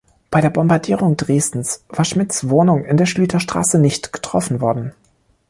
Bei der Bombardierung Dresdens war Schmidts Wohnung in der Schlüterstraße nicht getroffen worden.